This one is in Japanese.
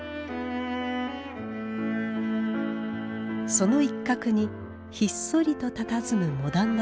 その一角にひっそりとたたずむモダンな建物。